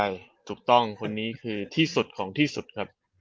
ใช่ถูกต้องคนนี้คือที่สุดของที่สุดครับ